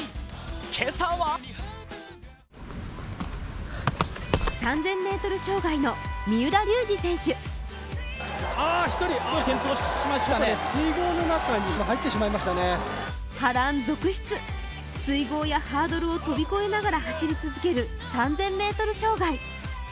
今朝は３０００ｍ障害の三浦龍司選手。波乱続出、水ごうやハードルを飛び越えながら走り続ける３０００ｍ障害。